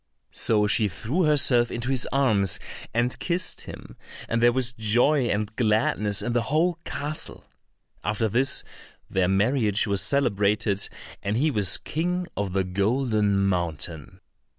So she threw herself into his arms and kissed him, and there was joy and gladness in the whole castle. After this their marriage was celebrated, and he was King of the Golden Mountain.